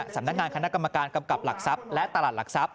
สำนักงานคณะกรรมการกำกับหลักทรัพย์และตลาดหลักทรัพย